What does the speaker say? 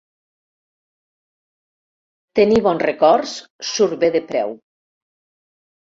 Tenir bons records surt bé de preu.